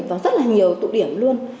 và rất là nhiều tụ điểm